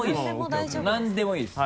何でもいいです。